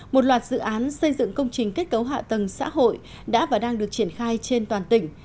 một loạt dự án xây dựng công trình kết cấu hạ tầng xã hội đã và đang được triển khai trên toàn tỉnh